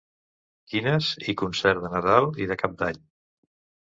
Quines i concert de Nadal i de Cap d'Any.